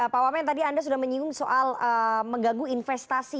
pak wamen tadi anda sudah menyinggung soal mengganggu investasi